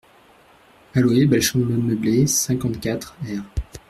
A louer, belle chambre meublée, cinquante-quatre, r.